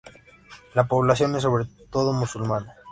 La población es sobre todo musulmana.